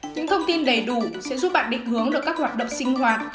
những thông tin đầy đủ sẽ giúp bạn định hướng được các hoạt động sinh hoạt